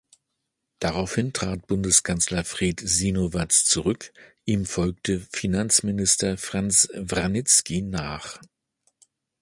Daraufhin trat Bundeskanzler Fred Sinowatz zurück, ihm folgte Finanzminister Franz Vranitzky nach.